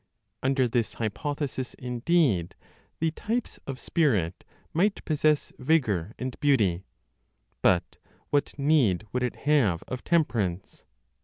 Under this hypothesis, indeed, the types of spirit might possess vigor and beauty. But what need would it have of temperance?